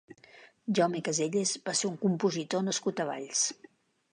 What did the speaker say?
Jaume Caselles va ser un compositor nascut a Valls.